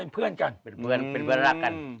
เป็นเพื่อนรักกัน